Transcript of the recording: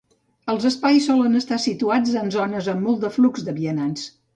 Els espais solen estar situats en zones amb molt de flux de vianants.